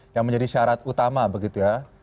yang menjadi syarat utama begitu ya